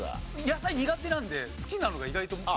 野菜苦手なので好きなのが意外と。